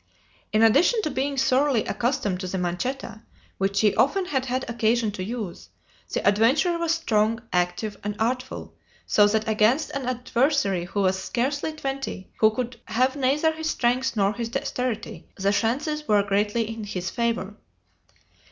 In addition to being thoroughly accustomed to the manchetta, which he often had had occasion to use, the adventurer was strong, active, and artful, so that against an adversary who was scarcely twenty, who could have neither his strength nor his dexterity, the chances were greatly in his favor.